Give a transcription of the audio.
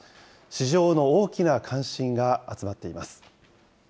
市場の大きな関心が集まっています。